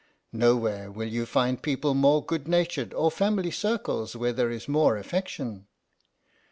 Nowhere will you find people more good natured, or family circles where there is more affection."